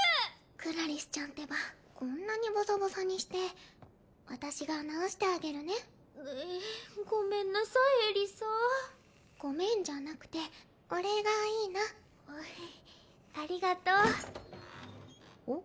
クラリスちゃんってばこんなにボサボサにして私が直してあげるねううごめんなさいエリサごめんじゃなくてお礼がいいなありがとうおっ？